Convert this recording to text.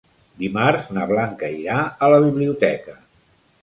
Dimarts na Blanca irà a la biblioteca.